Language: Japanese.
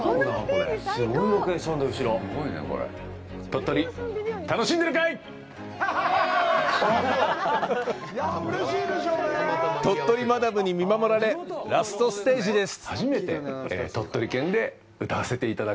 鳥取マダムに見守られ、ラストステージです！